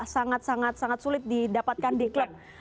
sangat sangat sulit didapatkan di klub